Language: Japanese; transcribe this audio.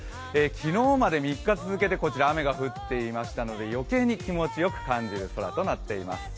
昨日まで３日続けてこちら雨が降っていましたので余計に気持ちよく感じる空となっています。